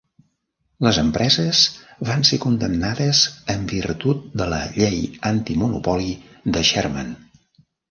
Les empreses van ser condemnades en virtut de la Llei Antimonopoli de Sherman.